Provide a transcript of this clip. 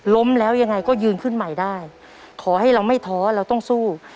ล้มแล้วยังไงก็ยืนขึ้นใหม่ได้ขอให้เราไม่ท้อเราต้องสู้